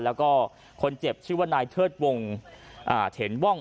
แล้วก็คนเจ็บชื่อว่านายเทิดวงเถนว่อง